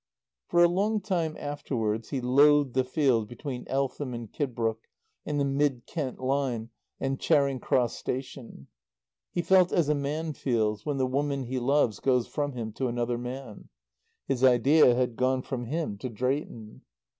For a long time afterwards he loathed the fields between Eltham and Kidbrooke, and the Mid Kent line, and Charing Cross Station. He felt as a man feels when the woman he loves goes from him to another man. His idea had gone from him to Drayton.